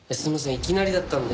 いきなりだったんで。